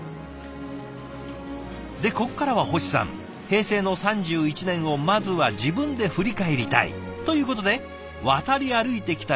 でここからは星さん平成の３１年をまずは自分で振り返りたい。ということで渡り歩いてきた１０の社食。